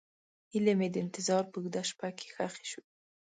هیلې مې د انتظار په اوږده شپه کې ښخې شوې.